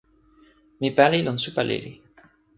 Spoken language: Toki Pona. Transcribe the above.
mi pali lon supa lili.